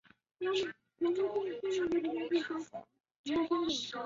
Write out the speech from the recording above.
楚军用楚国方言说了一阵就退了出去。